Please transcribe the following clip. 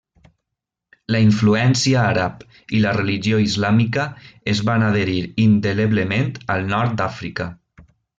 La influència àrab i la religió islàmica es van adherir indeleblement al nord d'Àfrica.